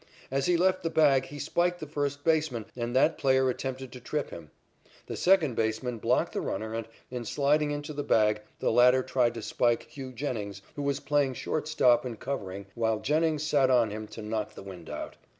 "As he left the bag he spiked the first baseman and that player attempted to trip him. The second baseman blocked the runner and, in sliding into the bag, the latter tried to spike 'Hugh' Jennings, who was playing shortstop and covering, while Jennings sat on him to knock the wind out.